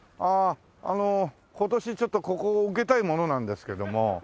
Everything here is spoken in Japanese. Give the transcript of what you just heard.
あの今年ちょっとここを受けたい者なんですけども。